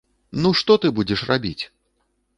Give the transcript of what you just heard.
Ну, што ты будзеш рабіць!